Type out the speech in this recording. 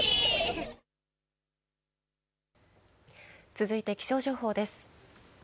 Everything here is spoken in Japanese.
続いて気象情報です。